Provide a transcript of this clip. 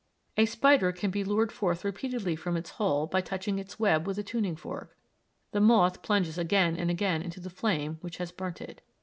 A spider can be lured forth repeatedly from its hole by touching its web with a tuning fork. The moth plunges again and again into the flame which has burnt it.